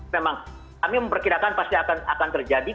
memang kami memperkirakan pasti akan terjadi